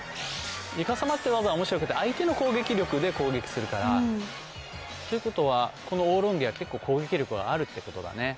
イカサマって技おもしろくて相手の攻撃力で攻撃するから。ということはこのオーロンゲは結構攻撃力はあるってことだね。